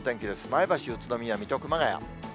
前橋、宇都宮、水戸、熊谷。